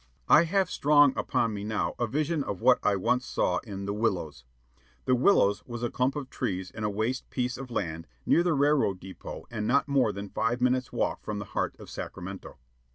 I have strong upon me now a vision of what I once saw in "The Willows." The Willows was a clump of trees in a waste piece of land near the railway depot and not more than five minutes walk from the heart of Sacramento.